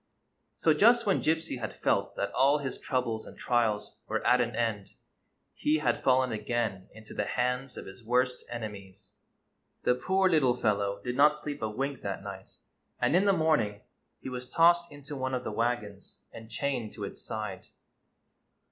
So just when Gypsy had felt that all his troubles and trials were at an end he had fallen again into the hands of his worst enemies. The poor little fellow did not sleep a wink that night, and in the morning he was tossed into one of the wagons and chained to its side.